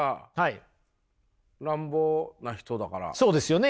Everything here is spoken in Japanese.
そうですよね